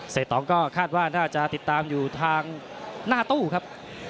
ตองก็คาดว่าน่าจะติดตามอยู่ทางหน้าตู้ครับ